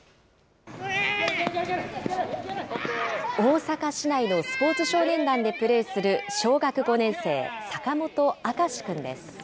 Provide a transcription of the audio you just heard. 大阪市内のスポーツ少年団でプレーする小学５年生、坂本丹志君です。